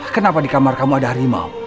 kenapa di kamar kamu ada harimau